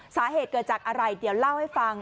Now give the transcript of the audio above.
สาเหตุเกิดจากอะไรเดี๋ยวเล่าให้ฟัง